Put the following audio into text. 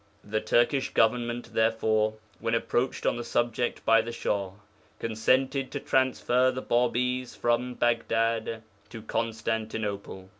The Turkish Government, therefore, when approached on the subject by the Shah, consented to transfer the Bābīs from Baghdad to Constantinople.